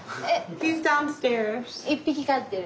１匹飼ってる。